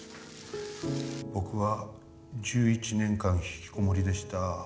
僕は１１年間ひきこもりでした。